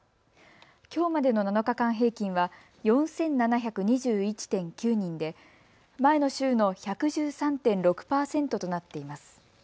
きょうまでの７日間平均は４７２１．９人で前の週の１１３．６％となっています。